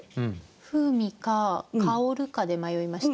「風味」か「香る」かで迷いました。